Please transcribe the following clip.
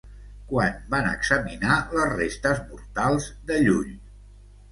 Quan van examinar les restes mortals de Llull?